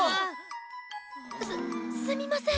すすみません！